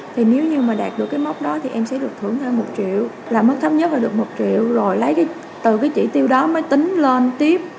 thì nếu như mà đạt được cái mốc đó thì em sẽ được thưởng hơn một triệu là mức thấp nhất là được một triệu rồi lấy cái từ cái chỉ tiêu đó mới tính lên tiếp